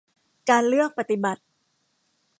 การเลือกปฏิบัติ